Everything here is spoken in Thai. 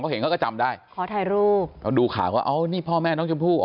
เห็นเขาก็จำได้ขอถ่ายรูปเราดูข่าวว่าเอานี่พ่อแม่น้องชมพู่